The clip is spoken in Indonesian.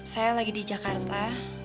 saya lagi di jakarta